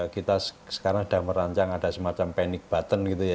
kita sekarang sedang merancang ada semacam panic button gitu ya